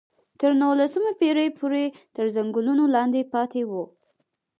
تر نولسمې پېړۍ پورې تر ځنګلونو لاندې پاتې وو.